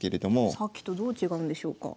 さっきとどう違うんでしょうか？